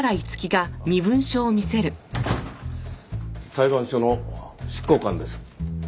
裁判所の執行官です。